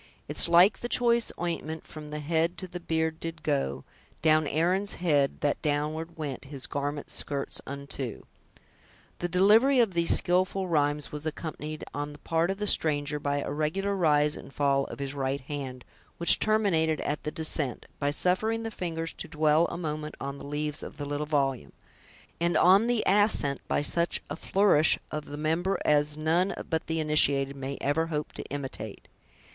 It's like the choice ointment, From the head to the beard did go; Down Aaron's head, that downward went His garment's skirts unto." The delivery of these skillful rhymes was accompanied, on the part of the stranger, by a regular rise and fall of his right hand, which terminated at the descent, by suffering the fingers to dwell a moment on the leaves of the little volume; and on the ascent, by such a flourish of the member as none but the initiated may ever hope to imitate.